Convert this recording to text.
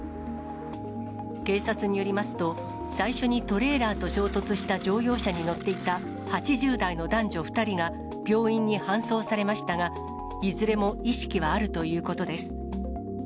警察によりますと、最初にトレーラーと衝突した乗用車に乗っていた８０代の男女２人が病院に搬送されましたが、いずれも意識はあるということです。